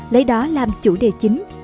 lấy đó làm chủ đề chính